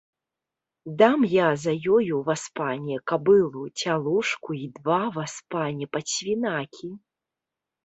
Дам я за ёю, васпане, кабылу, цялушку і два, васпане, падсвінакі.